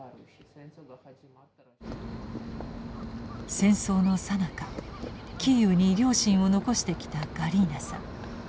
戦争のさなかキーウに両親を残してきたガリーナさん。